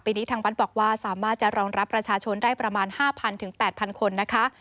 นี้ทางวัดบอกว่าสามารถจะรองรับประชาชนได้ประมาณ๕๐๐๘๐๐คนนะคะ